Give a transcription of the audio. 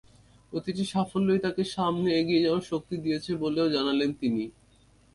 প্রতিটি সাফল্যই তাঁকে সামনে এগিয়ে যাওয়ার শক্তি দিয়েছে বলেও জানালেন তিনি।